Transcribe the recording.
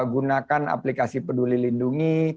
gunakan aplikasi peduli lindungi